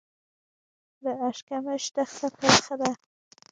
د اشکمش دښته پراخه ده